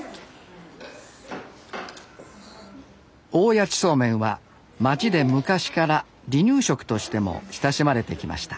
大矢知そうめんは街で昔から離乳食としても親しまれてきました。